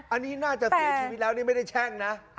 อันนี้น่าจะเสียชีวิตแล้วนี่ไม่ได้แช่งนะ